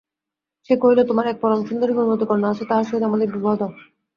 সে কহিল তোমার এক পরম সুন্দরী গুণবতী কন্যা আছে তাহার সহিত আমার বিবাহ দাও।